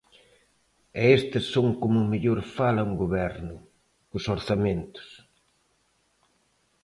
E estes son como mellor fala un goberno, cos orzamentos.